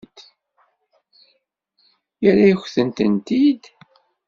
Yerra-yakent-tent-id?